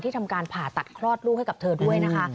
ทำการผ่าตัดคลอดลูกให้กับเธอด้วยนะคะ